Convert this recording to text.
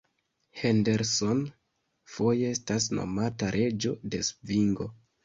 Henderson foje estas nomata „Reĝo de svingo“.